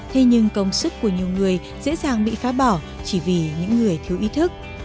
thế nhưng công sức của nhiều người dễ dàng bị phá bỏ chỉ vì những người thiếu ý thức